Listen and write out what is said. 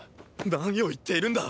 何を言っているんだ！